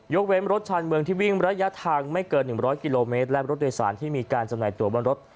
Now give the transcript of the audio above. เว้นรถชาญเมืองที่วิ่งระยะทางไม่เกิน๑๐๐กิโลเมตรและรถโดยสารที่มีการจำหน่ายตัวบนรถ